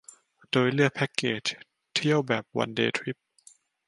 โดยเลือกแพ็กเกจเที่ยวแบบวันเดย์ทริป